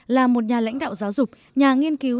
là một nhà lãnh đạo giáo dục nhà nghiên cứu